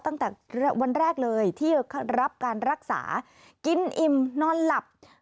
ตั้งแต่วันแรกเลยที่รับการรักษากินอิ่มนอนหลับ